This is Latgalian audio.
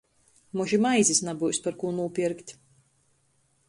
Mož i maizis nabyus, par kū nūpierkt...